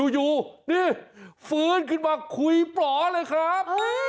อยู่นี่ฟื้นขึ้นมาคุยปลอเลยครับ